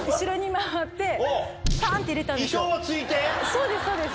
そうですそうです。